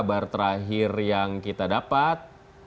kabar terakhir yang kita dapat